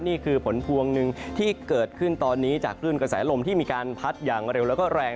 นี่คือผลพวงหนึ่งที่เกิดขึ้นตอนนี้จากคลื่นกระแสลมที่มีการพัดอย่างเร็วแล้วก็แรง